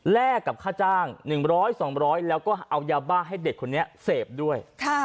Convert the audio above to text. กับค่าจ้าง๑๐๐๒๐๐แล้วก็เอายาบ้าให้เด็กคนนี้เสพด้วย